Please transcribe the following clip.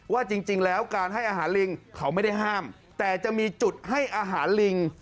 ว่าจริงแล้วการให้อาหารลิงเขาไม่ได้ห้ามแต่จะมีจุดให้อาหารลิง